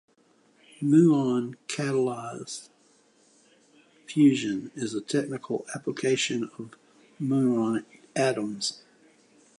Muon-catalyzed fusion is a technical application of muonic atoms.